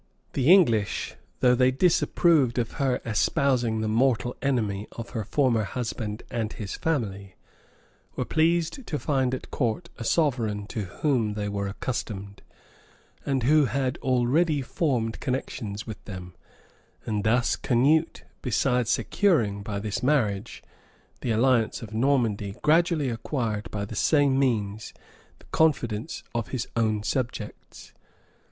[] The English, though they disapproved of her espousing the mortal enemy of her former husband and his family, were pleased to find at court a sovereign to whom they were accustomed, and who had already formed connections with them; and thus Canute besides securing, by this marriage, the alliance of Normandy gradually acquired, by the same means, the confidence of his own subjects.